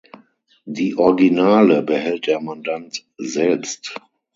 Die Originale behält der Mandant selbst.